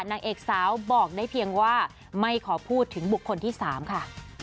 นางเอกสาวบอกได้เพียงว่าไม่ขอพูดถึงบุคคลที่๓ค่ะ